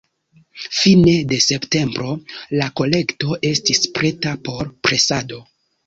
Fine de septembro la kolekto estis preta por presado.